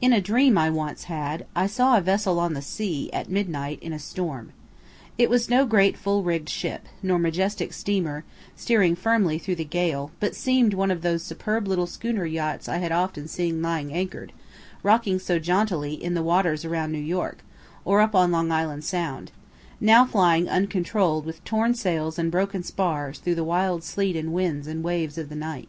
"'In a dream I once had, I saw a vessel on the sea, at midnight, in a storm. It was no great full rigg'd ship, nor majestic steamer, steering firmly through the gale, but seem'd one of those superb little schooner yachts I had often seen lying anchor'd, rocking so jauntily, in the waters around New York, or up Long Island sound now flying uncontroll'd with torn sails and broken spars through the wild sleet and winds and waves of the night.